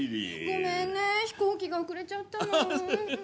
ごめんね飛行機が遅れちゃったの。